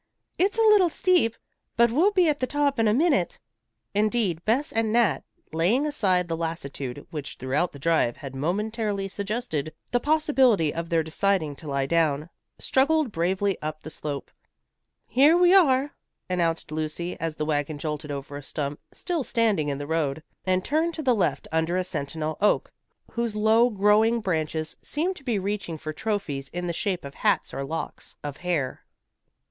"It's a little steep, but we'll be at the top in a minute." Indeed, Bess and Nat, laying aside the lassitude which throughout the drive had momentarily suggested the possibility of their deciding to lie down, struggled bravely up the slope. "Here we are," announced Lucy, as the wagon jolted over a stump still standing in the road, and turned to the left under a sentinel oak whose low growing branches seemed to be reaching for trophies in the shape of hats or locks of hair.